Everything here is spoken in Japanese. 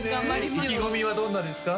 意気込みはどんなですか？